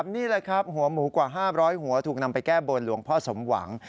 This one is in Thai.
นี่แหละครับหัวหมูกว่า๕๐๐หัวถูกนำไปแก้บนหลวงพ่อสมหวัง